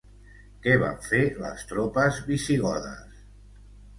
Què van fer les tropes visigodes?